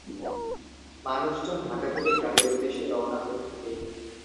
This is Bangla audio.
মানুষজন ঢাকা থেকে গ্রামের উদ্দেশ্যে রওনা হতে থাকে।